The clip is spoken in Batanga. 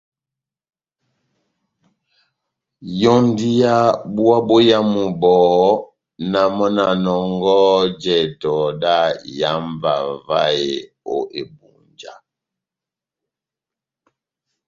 Yɔ́ndi yá búwa boyamu bɔhɔ́, na mɔ́ na nɔngɔhɔ jɛtɛ dá ihámba vahe ó Ebunja.